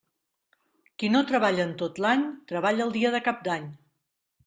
Qui no treballa en tot l'any, treballa el dia de Cap d'Any.